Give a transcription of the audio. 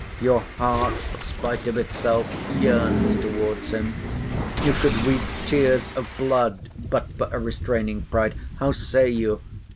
Your heart, spite of itself, yearns towards him. You could weep tears of blood but for a restraining pride. How say you?